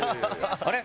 あれ？